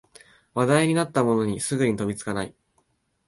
話題になったものにすぐに飛びつかない